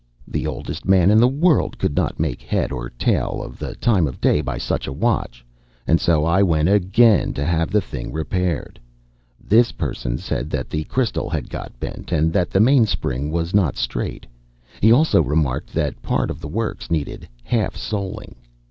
The oldest man in the world could not make head or tail of the time of day by such a watch, and so I went again to have the thing repaired. This person said that the crystal had got bent, and that the mainspring was not straight. He also remarked that part of the works needed half soling.